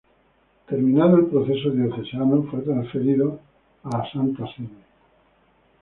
Terminado el proceso diocesano fue transferido a la Santa Sede.